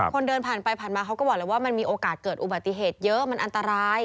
คนเดินผ่านไปผ่านมาเขาก็บอกเลยว่ามันมีโอกาสเกิดอุบัติเหตุเยอะมันอันตราย